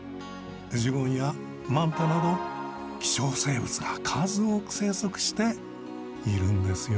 ジュゴンやマンタなど希少生物が数多く生息しているんですよ。